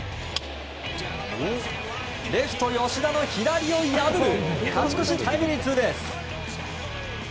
レフト、吉田の左を破る勝ち越しタイムリーツーベース！